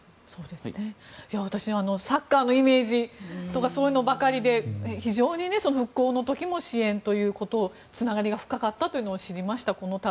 私サッカーのイメージとかそういうのばかりで非常に復興の時も支援とかつながりが深かったというのを知りました、この度。